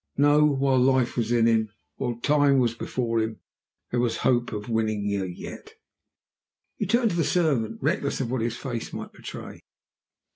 No! While life was in him, while time was before him, there was the hope of winning her yet! He turned to the servant, reckless of what his face might betray.